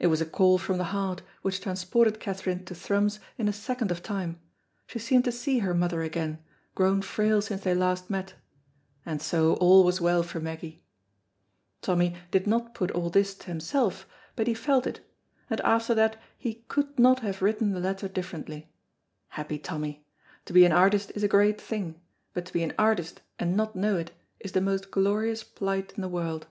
It was a call from the heart which transported Katherine to Thrums in a second of time, she seemed to see her mother again, grown frail since last they met and so all was well for Meggy. Tommy did not put all this to himself but he felt it, and after that he could not have written the letter differently. Happy Tommy! To be an artist is a great thing, but to be an artist and not know it is the most glorious plight in the world.